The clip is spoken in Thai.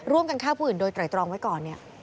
ร่วมกันข้าวผู้อื่นใดตรองไว้ก่อนเนี่ย